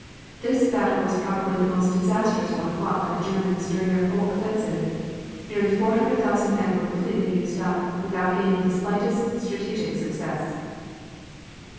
This battle was probably the most disastrous one fought by the Germans during their whole offensive. Nearly four hundred thousand men were completely used up, without gaining the slightest strategic success.